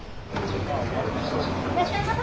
いらっしゃいませ。